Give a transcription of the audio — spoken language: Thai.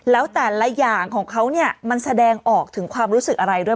แล้วแต่ละอย่างของเขาเนี่ยมันแสดงออกถึงความรู้สึกอะไรด้วย